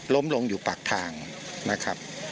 ล้มลงอยู่ปากทางนะครับ